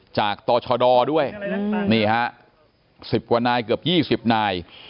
จากตชดด้วยนี่ฮะสิบกว่านายเกือบยี่สิบนาย